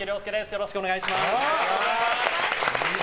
よろしくお願いします。